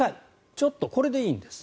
ちょっと、これでいいんです。